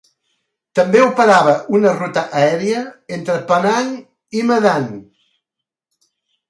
També operava una ruta aèria entre Penang i Medan.